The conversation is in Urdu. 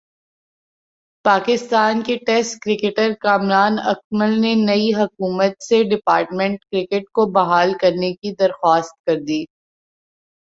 پاکستان کے ٹیسٹ کرکٹرکامران اکمل نے نئی حکومت سے ڈپارٹمنٹ کرکٹ کو بحال کرنے کی درخواست کردی۔